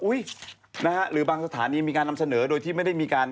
นะฮะหรือบางสถานีมีการนำเสนอโดยที่ไม่ได้มีการ